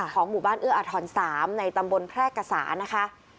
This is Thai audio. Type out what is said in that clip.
ของหมู่บ้านเอื้ออาทร๓ในตำบลแพร่กษานะคะ